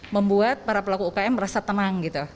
membuat para pelaku umkm merasa tenang